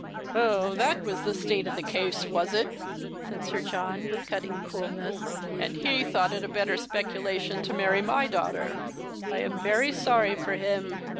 " Oh, that was the state of the case, was it ?" said Sir John, with cutting coolness. " And he thought it a better speculation to marry my daughter. I am very sorry for him.